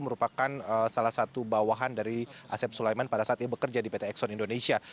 merupakan salah satu bawahan dari asep sulaiman pada saat ia bekerja di pt exxon indonesia